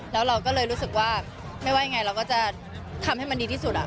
แล้วเราก็เลยรู้สึกว่าไม่ว่ายังไงเราก็จะทำให้มันดีที่สุด